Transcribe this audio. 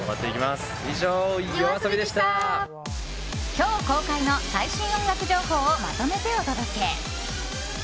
今日公開の最新音楽情報をまとめてお届け。